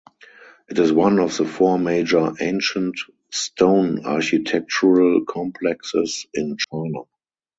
It is one of the four major ancient stone architectural complexes in China.